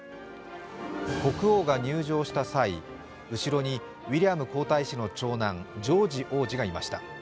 国王が入場した際、後ろにウィリアム皇太子の長男ジョージ王子がいました。